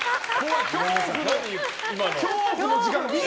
恐怖の時間。